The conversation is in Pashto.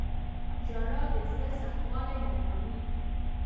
• ژړا د زړه سختوالی نرموي.